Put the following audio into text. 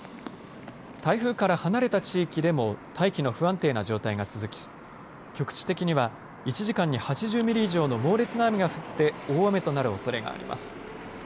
台風から離れた地域でも大気の不安定な状態が続き局地的には１時間に８０ミリ以上の猛烈な雨が降って大雨となるおそれがあります。